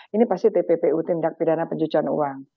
ini pasti tppu tindak pidana pencucian uang